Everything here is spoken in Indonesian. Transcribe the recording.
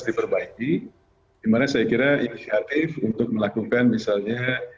diperbaiki dimana saya kira inisiatif untuk melakukan misalnya